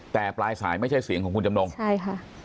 แต่ปลายสายไม่ใช่เสียงของคุณจำนงใช่ค่ะ